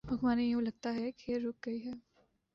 حکمرانی یوں لگتا ہے کہ رک گئی ہے۔